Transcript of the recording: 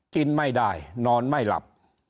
กินไม่ได้นอนไม่หลับ